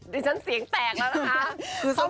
เสียงแตกแล้วนะคะ